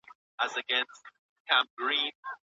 ولي ځیني کسان له سخت کار کولو څخه تل تېښته کوي؟